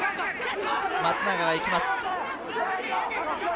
松永がいきます。